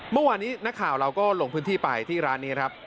เมื่อวานนี้นักข่าวเราก็ลงพื้นที่ไปที่ร้านนี้ครับ